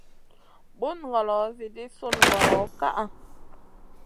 Bun ngolo edii sun ngolo ka ʼa.